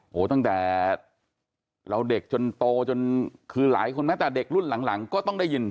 โอ้โหตั้งแต่เราเด็กจนโตจนคือหลายคนแม้แต่เด็กรุ่นหลังก็ต้องได้ยิน